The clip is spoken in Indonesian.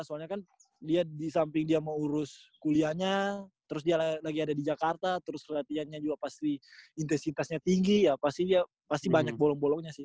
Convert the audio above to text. soalnya kan dia di samping dia mau urus kuliahnya terus dia lagi ada di jakarta terus latihannya juga pasti intensitasnya tinggi ya pasti ya pasti banyak bolong bolongnya sih